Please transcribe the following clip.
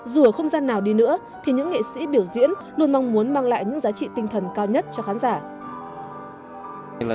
dù ở không gian nào đi nữa thì những nghệ sĩ biểu diễn luôn mong muốn mang lại những giá trị tinh thần cao nhất cho khán giả